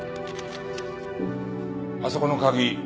あそこの鍵